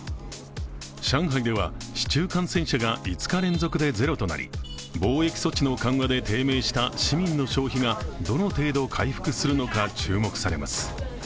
上海では、市中感染者が５日連続で０となり防疫措置の緩和で低迷した市民の消費がどの程度回復するのか注目されます。